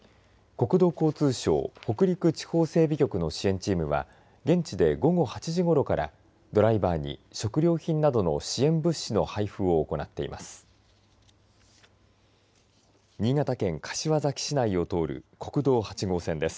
国土交通省北陸地方整備局の支援チームは現地で午後８時ごろからドライバーに食料品などの支援物資の配布を行っています。